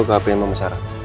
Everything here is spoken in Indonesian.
itu ke hp yang membesar